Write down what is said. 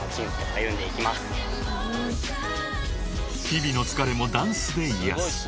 ［日々の疲れもダンスで癒やす］